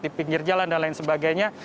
di pinggir jalan dan lain sebagainya